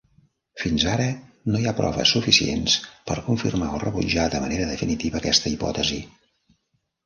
Fins ara, no hi ha proves suficients per confirmar o rebutjar de manera definitiva aquesta hipòtesi.